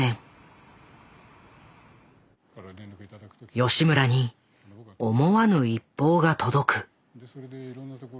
吉村に思わぬ一報が届く。